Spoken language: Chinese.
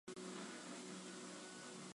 时常发酒疯